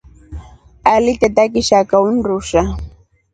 Aliteta kishaka undusha.